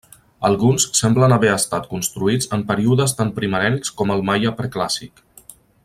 Alguns semblen haver estat construïts en períodes tan primerencs com el maia preclàssic.